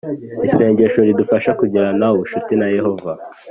Isengesho ridufasha kugirana ubucuti na yehova